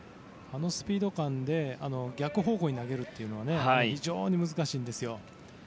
あのスピード感で逆方向に投げるというのは非常に難しいんですよ。